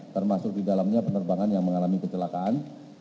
termasuk di dalamnya penerbangan yang mengalami kecelakaan